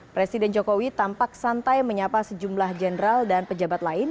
presiden jokowi tampak santai menyapa sejumlah jenderal dan pejabat lain